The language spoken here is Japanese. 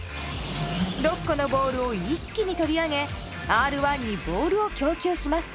６個のボールを一気に取り上げＲ１にボールを供給します。